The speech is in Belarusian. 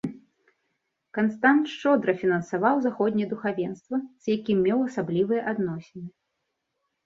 Канстант шчодра фінансаваў заходняе духавенства, з якім меў асаблівыя адносіны.